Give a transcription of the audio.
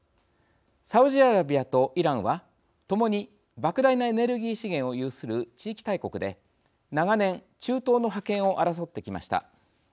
サウジアラビアとイランは共に、ばく大なエネルギー資源を有する地域大国で長年、中東の覇権を争ってきました。